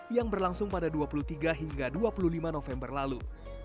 yang berlangsung pada dua puluh tiga hingga dua puluh lima november lalu